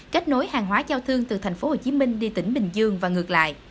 kết nối hàng hóa giao thương từ tp hcm đi tỉnh bình dương và ngược lại